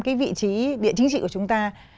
cái vị trí địa chính trị của chúng ta